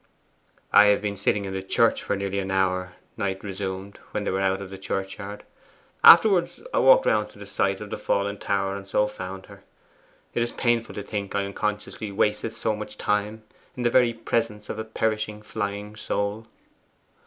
'I had been sitting in the church for nearly an hour,' Knight resumed, when they were out of the churchyard. 'Afterwards I walked round to the site of the fallen tower, and so found her. It is painful to think I unconsciously wasted so much time in the very presence of a perishing, flying soul.